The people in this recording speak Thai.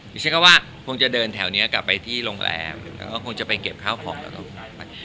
ฉันก็ว่าคงจะเดินแถวนี้กลับไปที่โรงแรมแล้วก็คงจะไปเก็บข้าวของแล้ว